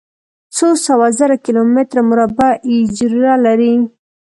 څو سوه زره کلومتره مربع اېجره لري.